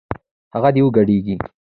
هغه دې وګډېږي